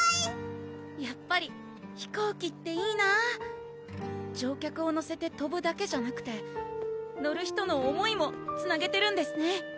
やっぱり飛行機っていいな乗客を乗せてとぶだけじゃなくて乗る人の思いもつなげてるんですね